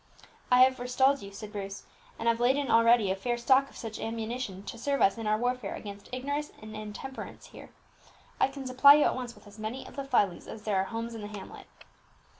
"I have forestalled you," said Bruce, "and have laid in already a fair stock of such ammunition to serve us in our warfare against ignorance and intemperance here. I can supply you at once with as many of the fly leaves as there are homes in the hamlet."